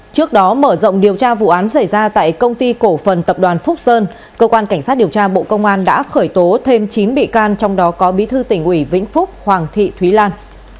trước đó mở rộng điều tra vụ án xảy ra tại công ty cổ phần tập đoàn phúc sơn cơ quan cảnh sát điều tra bộ công an đã khởi tố thêm chín bị can trong đó có bí thư tỉnh ủy vĩnh phúc hoàng thị thúy lan